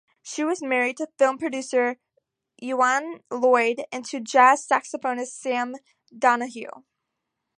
She was married to film producer Euan Lloyd and to jazz saxophonist Sam Donahue.